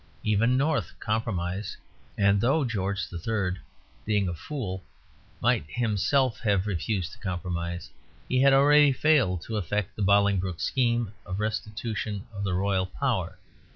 Even North compromised; and though George III., being a fool, might himself have refused to compromise, he had already failed to effect the Bolingbroke scheme of the restitution of the royal power.